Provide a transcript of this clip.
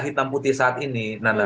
hitam putih saat ini